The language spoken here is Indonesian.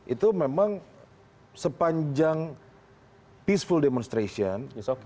itu memang sepanjang peaceful demonstration